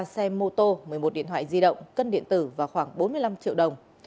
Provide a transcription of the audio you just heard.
ba xe mô tô một mươi một điện thoại di động cân điện tử và khoảng bốn mươi năm triệu đồng